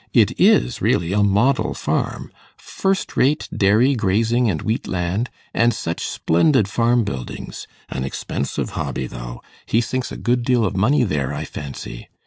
It is really a model farm; first rate dairy, grazing and wheat land, and such splendid farm buildings! An expensive hobby, though. He sinks a good deal of money there, I fancy.